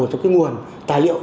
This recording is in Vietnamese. cho cái nguồn tài liệu